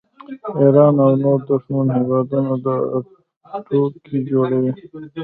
ایران او نور دښمن هیوادونه دا ټوکې جوړوي